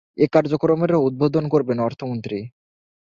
এ কার্যক্রমেরও উদ্বোধন করবেন অর্থমন্ত্রী।